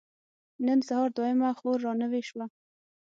نن سهار دويمه خور را نوې شوه.